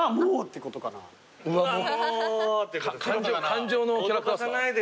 感情のキャラクターっすか？